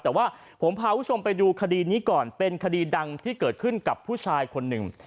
แต่ว่าผมพาคุณผู้ชมไปดูคดีนี้ก่อนเป็นคดีดังที่เกิดขึ้นกับผู้ชายคนหนึ่ง